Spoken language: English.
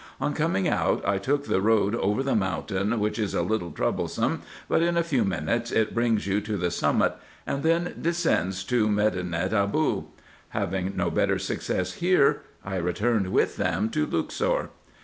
On coming out I took the road over the mountain, which is a little troublesome, but in a few minutes it brings you to the summit, and then descends to Medinet Abou. Having no better success here, I returned with them to Luxor.